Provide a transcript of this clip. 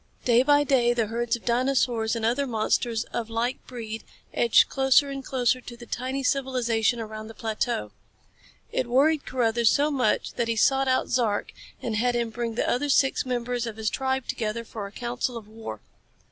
Day by day the herds of dinosaurs and other monsters of like breed edged closer and closer to the tiny civilization around the plateau. It worried Carruthers so much that he sought out Zark and had him bring the other six members of his tribe together for a council of war.